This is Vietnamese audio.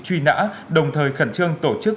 truy nã đồng thời khẩn trương tổ chức